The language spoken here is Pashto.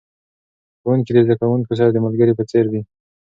ښوونکي د زده کوونکو سره د ملګري په څیر دي.